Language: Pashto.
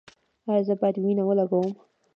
ایا زه باید وینه ولګوم؟